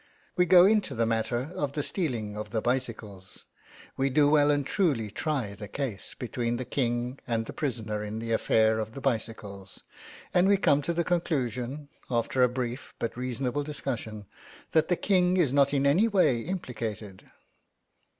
We go into the matter of the stealing of the bicycles. We do well and truly try the case between the King and the prisoner in the affair of the bicycles. And we come to the conclusion, after a brief but reasonable discussion, that the King is not in any way implicated.